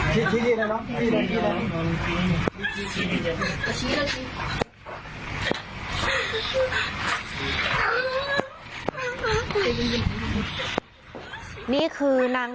ขอบคุณครับ